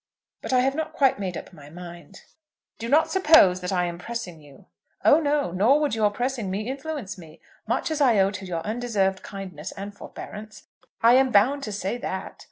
But I have not quite made up my mind." "Do not suppose that I am pressing you." "Oh no; nor would your pressing me influence me. Much as I owe to your undeserved kindness and forbearance, I am bound to say that.